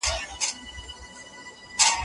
معنوي کلتور ټولنیز او سیاسي پرمختګونه اړین بولي.